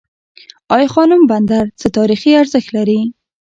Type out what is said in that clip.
ای خانم بندر څه تاریخي ارزښت لري؟